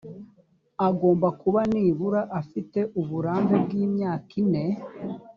agomba kuba nibura afite uburambe bw ‘imyaka ine